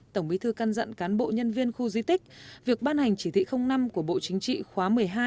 tổng bí thư căn dặn cán bộ nhân viên khu di tích việc ban hành chỉ thị năm của bộ chính trị khóa một mươi hai